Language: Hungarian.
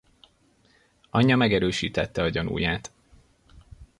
Anyja megerősítette a gyanúját.